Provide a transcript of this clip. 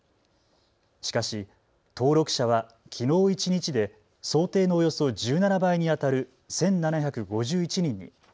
しかし、登録者はきのう一日で想定のおよそ１７倍にあたる１７５１人に。